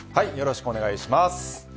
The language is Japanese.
よろしくお願いします。